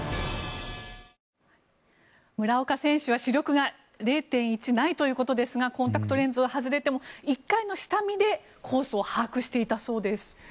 村岡選手は視力が０．１ないということですがコンタクトレンズは外れても１回の下見でコースを把握していたそうです。